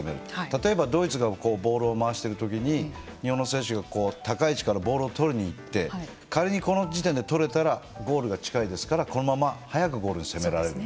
例えばドイツがボールを回しているときに日本の選手が高い位置からボールを取りにいって仮に、この時点で取れたらゴールが近いですからこのまま早くゴールを攻められる。